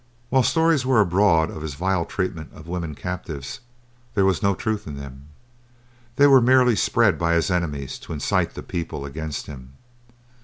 While stories were abroad of his vile treatment of women captives, there was no truth in them. They were merely spread by his enemies to incite the people against him.